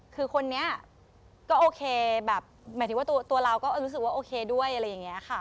คือคนนี้ก็โอเคแบบหมายถึงว่าตัวเราก็รู้สึกว่าโอเคด้วยอะไรอย่างนี้ค่ะ